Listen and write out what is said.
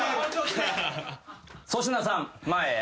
粗品さん前へ。